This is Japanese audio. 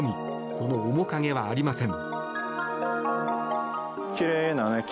その面影はありません。